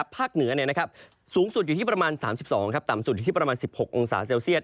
ภาคเหนือสูงสุดอยู่ที่ประมาณ๓๒ต่ำสุดอยู่ที่ประมาณ๑๖องศาเซลเซียต